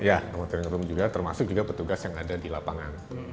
ya monitoring room juga termasuk juga petugas yang ada di lapangan